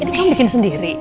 ini kamu bikin sendiri